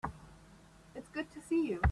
It's good to see you.